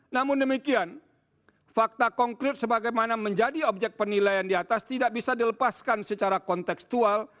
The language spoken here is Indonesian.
namun demikian fakta konkret sebagaimana menjadi objek penilaian di atas tidak bisa dilepaskan secara konteksual